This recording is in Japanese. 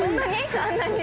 そんなに？